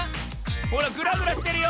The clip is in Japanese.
ほらグラグラしてるよ。